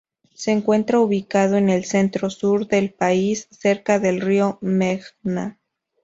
Se encuentra ubicado en el centro-sur del país, cerca del río Meghna.